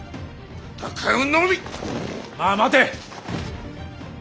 まあ待て。